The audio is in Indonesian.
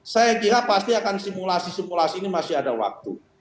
saya kira pasti akan simulasi simulasi ini masih ada waktu